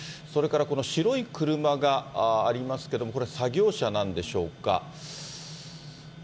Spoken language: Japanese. それからこの白い車がありますけれども、これは作業車なんでしょうか。